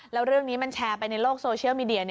แล้วเรื่องนี้มันแชร์ไปในโลกโซเชียลมีเดีย